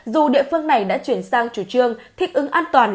dù địa phương này đã chuyển sang chủ trương thích ứng an toàn